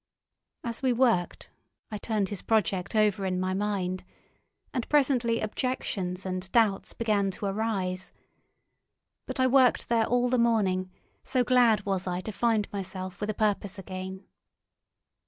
As we worked, I turned his project over in my mind, and presently objections and doubts began to arise; but I worked there all the morning, so glad was I to find myself with a purpose again.